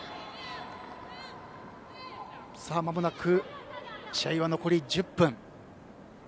まもなく試合は残り１０分。